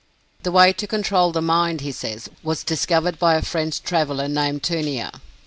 The way to control the mind, he says, was discovered by a French traveler named Tunear.